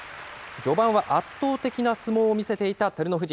序盤は圧倒的な相撲を見せていた照ノ富士。